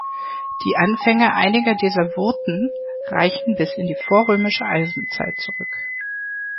Die Anfänge einiger dieser Wurten reichen bis in die vorrömische Eisenzeit zurück.